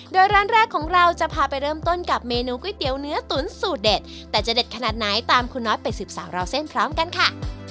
โดยร้านแรกของเราจะพาไปเริ่มต้นกับเมนูก๋วยเตี๋ยวเนื้อตุ๋นสูตรเด็ดแต่จะเด็ดขนาดไหนตามคุณน้อยไปสืบสาวราวเส้นพร้อมกันค่ะ